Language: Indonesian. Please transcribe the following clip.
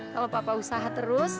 kalo papa usaha terus